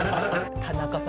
田中さん